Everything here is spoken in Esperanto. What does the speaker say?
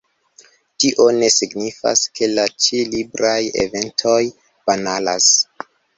Tio ne signifas, ke la ĉi-libraj eventoj banalas.